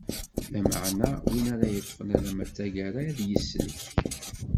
Lameɛna, win ara yeṭṭfen alamma d taggara ad yeslek.